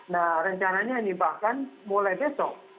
nah rencananya ini bahkan mulai besok